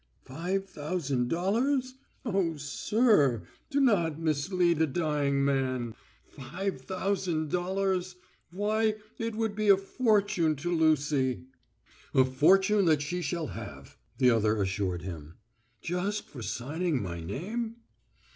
"Five thousand dollars? O sir, do not mislead a dying man. Five thousand dollars? Why, it would be a fortune to Lucy!" "A fortune that she shall have," the other assured him. "Just for signing my name?"